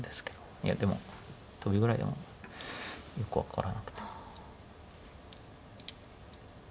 いやでもトビぐらいでもよく分からなくて。